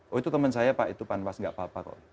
oh itu teman saya pak itu panwas nggak apa apa kok